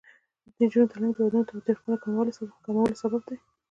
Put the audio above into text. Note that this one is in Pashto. د نجونو تعلیم د ودونو تاوتریخوالي کمولو سبب دی.